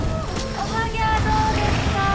おはぎもどうですか？